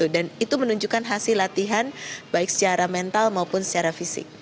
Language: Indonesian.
dan itu menunjukkan hasil latihan baik secara mental maupun secara fisik